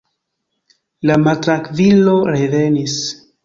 La maltrankvilo revenis.